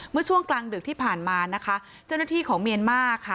เมื่อช่วงกลางดึกที่ผ่านมานะคะเจ้าหน้าที่ของเมียนมาร์ค่ะ